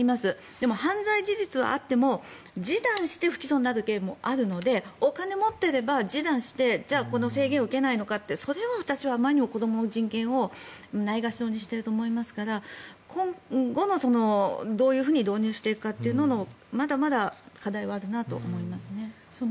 でも、犯罪事実はあっても示談して不起訴になるケースもあるのでお金を持っていれば示談してじゃあこの制限を受けないのかってそれは私はあまりにも子どもの人権をないがしろにしていると思いますから今後のどういうふうに導入していくかというまだまだ課題はあるなと思います。